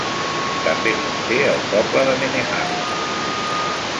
També conté el poble de Meneham.